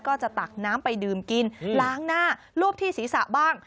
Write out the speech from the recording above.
ตักน้ำไปดื่มกินล้างหน้ารูปที่ศีรษะบ้าง